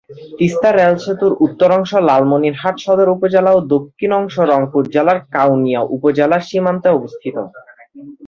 Teesta rail সেতুর উত্তর অংশ লালমনিরহাট সদর উপজেলা ও দক্ষিণ অংশ রংপুর জেলার কাউনিয়া উপজেলার সীমান্তে অবস্থিত।